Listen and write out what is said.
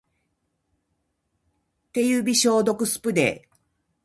手指消毒スプレー